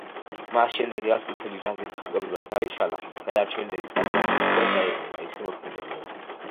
მას შემდეგ, რაც წითელი რაზმი ფაქტობრივად დაიშალა, გადარჩენილები პატარა ჯგუფებად დაიყვნენ და ისე მოქმედებდნენ.